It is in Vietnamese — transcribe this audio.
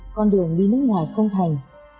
con đường đi nước ngoài không thành